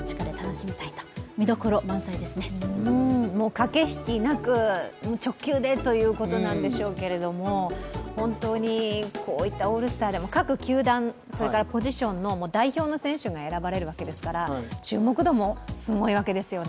駆け引きなく直球でということなんでしょうけれどもこういったオールスターでも各球団、それからポジションの代表の選手が選ばれるわけですから、注目度もすごいわけですよね。